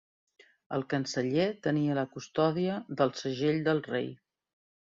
El canceller tenia la custòdia del segell del rei.